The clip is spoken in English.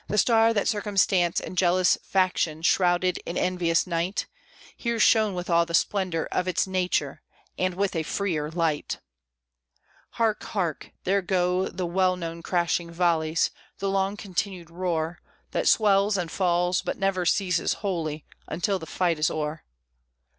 The star that circumstance and jealous faction shrouded in envious night Here shone with all the splendor of its nature, and with a freer light! Hark, hark! there go the well known crashing volleys, the long continued roar That swells and falls, but never ceases wholly until the fight is o'er.